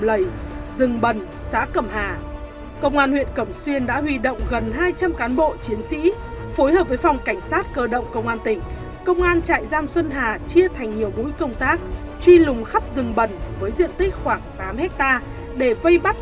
tại xã cẩm nhựa huyện cẩm xuyên tỉnh hà tĩnh đã bị bắt